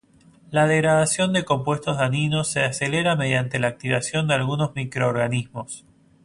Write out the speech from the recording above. La degradación de compuestos dañinos se acelera mediante la actividad de algunos microorganismos.